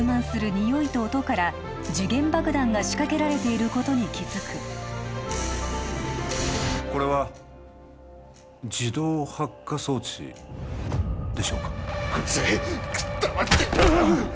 ニオイと音から時限爆弾が仕掛けられていることに気づくこれは自動発火装置でしょうかうるさい黙ってろ！